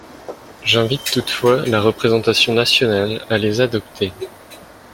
J’invite toutefois la représentation nationale à les adopter.